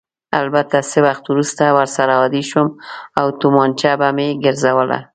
البته څه وخت وروسته ورسره عادي شوم او تومانچه به مې ګرځوله.